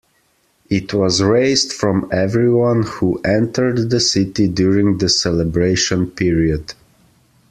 It was raised from everyone who entered the city during the celebration period.